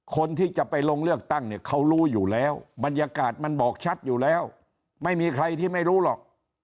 คนที่จะไปลงเลือกตั้งเนี่ยเขารู้อยู่แล้วบรรยากาศมันบอกชัดอยู่แล้วไม่มีใครที่ไม่รู้หรอก